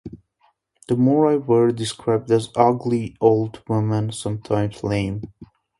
The Moirai were described as ugly old women, sometimes lame.